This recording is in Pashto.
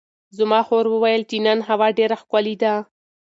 زما خور وویل چې نن هوا ډېره ښکلې ده.